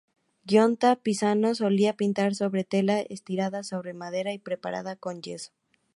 Giunta Pisano solía pintar sobre tela estirada sobre madera, y preparada con yeso.